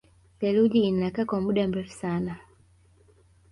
Theluji inakaa kwa muda mrefu sana